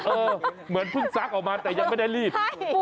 เหมือนเพิ่งซักออกมาแต่ยังไม่ได้รีบ